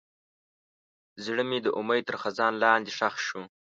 زړه مې د امید تر خزان لاندې ښخ شو.